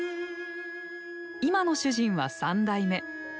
今の主人は三代目。